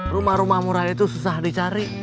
rumah rumah murah itu susah dicari